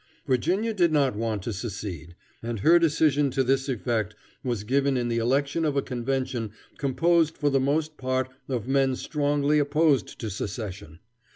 Virginia did not want to secede, and her decision to this effect was given in the election of a convention composed for the most part of men strongly opposed to secession.